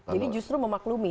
jadi justru memaklumi